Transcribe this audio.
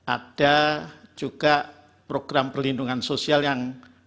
ada juga program perlindungan sosial yang